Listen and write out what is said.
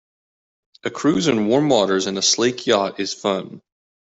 A cruise in warm waters in a sleek yacht is fun.